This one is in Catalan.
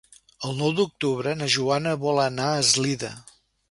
El nou d'octubre na Joana vol anar a Eslida.